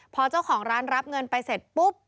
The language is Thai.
พอเจ้าของร้านรับเงินมาให้เจ้าของร้านไข่ไก่